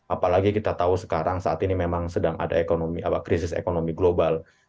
apalagi kita tahu sekarang saat ini memang sedang ada krisis ekonomi global